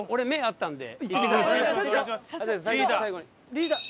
リーダー。